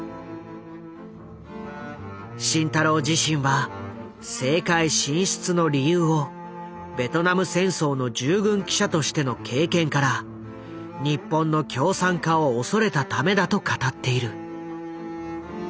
慎太郎自身は政界進出の理由をベトナム戦争の従軍記者としての経験から日本の共産化を恐れたためだと語っている。